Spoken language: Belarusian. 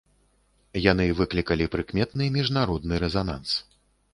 Яны выклікалі прыкметны міжнародны рэзананс.